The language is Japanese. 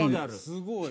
すごい。